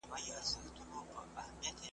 خپل نصیب وو تر قفسه رسولی `